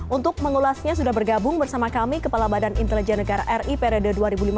untuk mengulasnya sudah bergabung bersama kami kepala badan intelijen negara ri periode dua ribu lima belas dua ribu